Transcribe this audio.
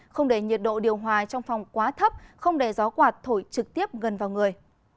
không để nhiệt độ điều hòa trong phòng quá thấp không để gió quạt thổi trực tiếp gần vào người